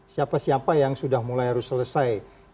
siapa siapa yang sudah mulai harus selesai